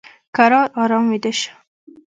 کرار ارام ویده شه !